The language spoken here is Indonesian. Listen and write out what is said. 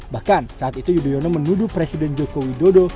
bahkan saat itu yudhoyono menuduh presiden joko widodo